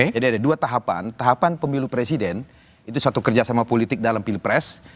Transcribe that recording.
jadi ada dua tahapan tahapan pemilu presiden itu suatu kerjasama politik dalam pilpres